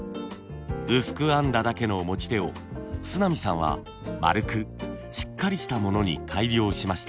薄く編んだだけの持ち手を須浪さんは丸くしっかりしたものに改良しました。